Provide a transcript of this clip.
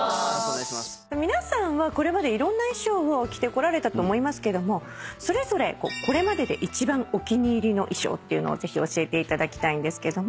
皆さんはこれまでいろんな衣装を着てこられたと思いますけどもそれぞれこれまでで一番お気に入りの衣装っていうのをぜひ教えていただきたいんですけども。